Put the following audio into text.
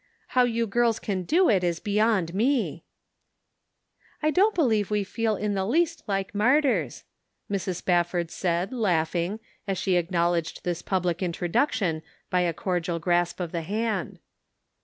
How you girls can do it is beyond me !" "I don't believe we feel in the least like martyrs," Mrs. Spafford said, laughing, as she acknowledged this public introduction by a cordial clasp of the hand.